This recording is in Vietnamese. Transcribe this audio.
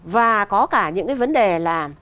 và có cả những cái vấn đề là